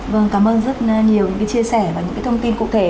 vâng cảm ơn rất nhiều những cái chia sẻ và những cái thông tin cụ thể